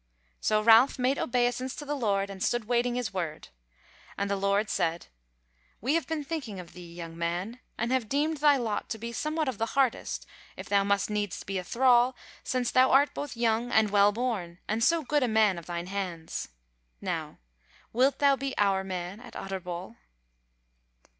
So Ralph made obeisance to the Lord and stood awaiting his word; and the Lord said: "We have been thinking of thee, young man, and have deemed thy lot to be somewhat of the hardest, if thou must needs be a thrall, since thou art both young and well born, and so good a man of thine hands. Now, wilt thou be our man at Utterbol?"